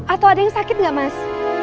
atau ada yang sakit nggak mas